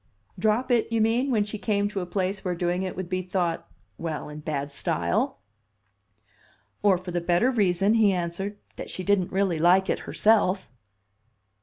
"Drop it, you mean, when she came to a place where doing it would be thought well, in bad style?" "Or for the better reason," he answered, "that she didn't really like it herself."